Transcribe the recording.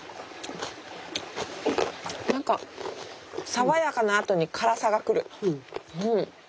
何か爽やかなあとに辛さがくる。